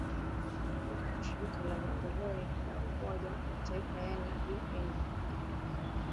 kutoka kwa shirika la maendeleo la umoja mataifa yaani undp